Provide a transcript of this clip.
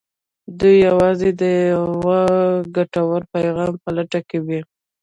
دوی يوازې د يوه ګټور پيغام په لټه کې وي.